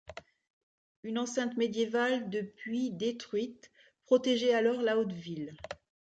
Une enceinte médiévale, depuis détruite, protégeait alors la Haute-ville.